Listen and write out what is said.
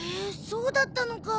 そうだったのか。